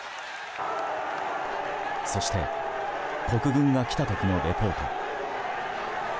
そして国軍が来た時のレポート。